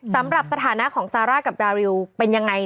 สำหรับสถานะของซาร่ากับดาริวเป็นยังไง